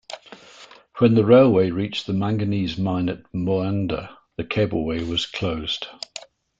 When the railway reached the manganese mine at Moanda, the Cableway was closed.